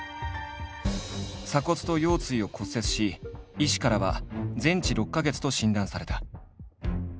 鎖骨と腰椎を骨折し医師からは全治６か月と診断された。